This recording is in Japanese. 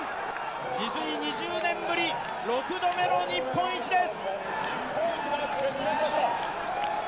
実に２０年ぶり６度目の日本一です！